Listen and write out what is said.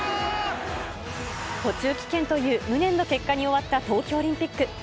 途中棄権という無念の結果に終わった東京オリンピック。